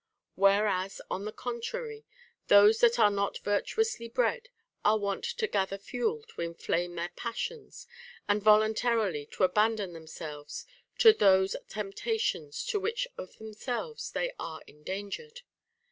Whereas, on the con trary, those that are not virtuously bred are wont to gather fuel to inflame their passions, and voluntarily to abandon themselves to those temptations to which of themselves they are endangered.